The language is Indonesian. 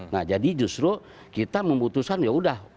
nah jadi justru kita memutuskan ya udah